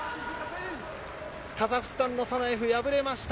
カザフスタンのサナエフ敗れました。